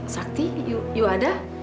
sakti ibu ada